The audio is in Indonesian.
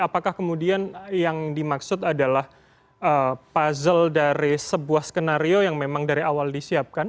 apakah kemudian yang dimaksud adalah puzzle dari sebuah skenario yang memang dari awal disiapkan